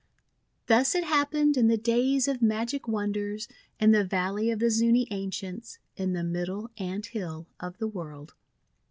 Thus it happened in the days of magic won ders, in the Valley of the Zuni Ancients, in the Middle Ant Hill of the World.